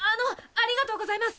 ありがとうございます！